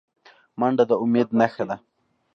منډه د امید نښه ده